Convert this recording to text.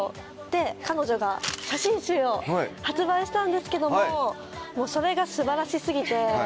で彼女が写真集を発売したんですけどもそれが素晴らし過ぎて。